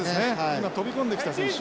今飛び込んできた選手。